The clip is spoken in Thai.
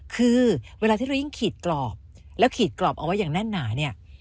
คือเวลาที่เรายิ่งขีดกรอบแล้วขีดกรอบเอาไว้อย่างแน่นหนาเนี่ย